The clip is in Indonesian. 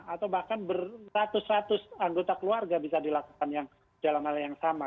atau bahkan beratus ratus anggota keluarga bisa dilakukan dalam hal yang sama